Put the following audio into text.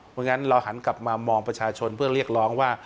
เพราะฉะนั้นเราหันกลับมามองประชาชนเพื่อเรียกร้องว่า